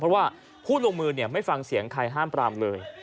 เพราะว่าผู้ลงมือไม่ฟังเสียงใครห้ามปรามเลย